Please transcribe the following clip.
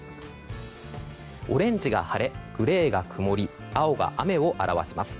オレンジが晴れ、グレーが曇り青が雨を表します。